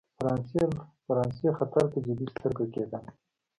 فرانسې خطر ته جدي سترګه کېدل.